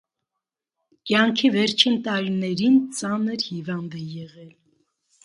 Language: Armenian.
Կյանքի վերջին տարիներին ծանր հիվանդ է եղել։